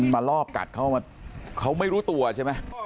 มารอบกัดเขามาเขาไม่รู้ตัวใช่มั้ย